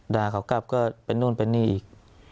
ด่าเขากลับก็เป็นนู่นเป็นนี่อีก